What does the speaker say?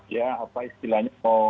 ya apa istilahnya mau